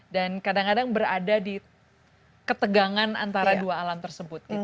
dan kadang kadang berada di ketegangan antara dua alam tersebut